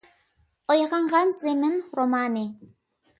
«ئويغانغان زېمىن» رومانى